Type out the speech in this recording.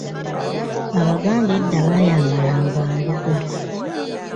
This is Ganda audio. Abaganda edda baayambalanga mbugo.